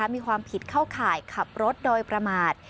มีความผิดเข้าข่ายขับรถโดยประมาท